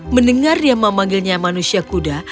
mendengar dia memanggilnya manusia kuda